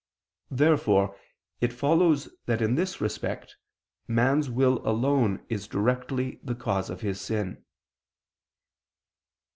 Therefore it follows that in this respect, a man's will alone is directly the cause of his sin.